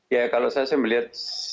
ya kalau saya sih melihat